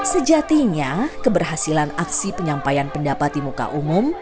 sejatinya keberhasilan aksi penyampaian pendapat di muka umum